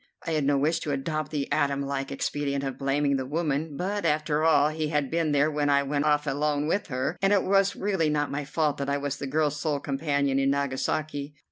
I had no wish to adopt the Adam like expedient of blaming the woman; but, after all, he had been there when I went off alone with her, and it was really not my fault that I was the girl's sole companion in Nagasaki.